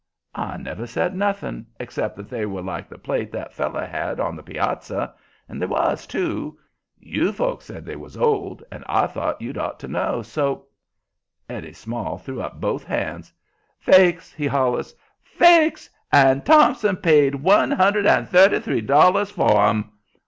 "I never said nothing, except that they were like the plate that feller had on the piazza. And they was, too. YOU folks said they was old, and I thought you'd ought to know, so " Eddie Small threw up both hands. "Fakes!" he hollers. "Fakes! AND THOMPSON PAID ONE HUNDRED AND THIRTY THREE DOLLARS FOR 'EM!